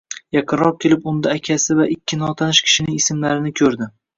Yaqinroq kelib unda akasi va ikki notanish kishining ismlarini ko`rdi